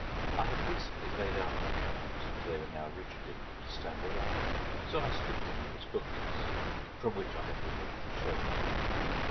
I had recently laid out my parents and they were now rigid enough to stand erect; so I stood them in this book case, from which I had removed the shelves.